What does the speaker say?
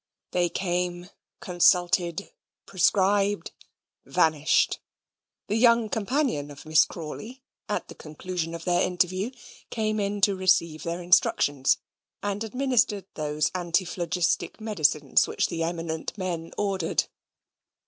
They came, consulted, prescribed, vanished. The young companion of Miss Crawley, at the conclusion of their interview, came in to receive their instructions, and administered those antiphlogistic medicines which the eminent men ordered.